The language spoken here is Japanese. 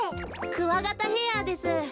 クワガタヘアです。